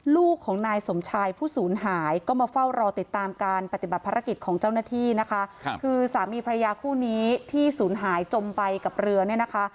ลูกของนายสมชายผู้ศูนย์หายก็มาเฝ้ารอติดตามการปฏิบัติภารกิจของเจ้าหน้าที่นะคะคือสามีพระยาคู่นี้ที่ศูนย์หายจมไปกับเรือเนี่ยนะคะ